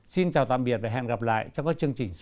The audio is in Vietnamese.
xin chào tạm biệt và hẹn gặp lại trong các chương trình sau